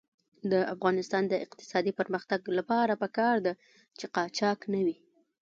د افغانستان د اقتصادي پرمختګ لپاره پکار ده چې قاچاق نه وي.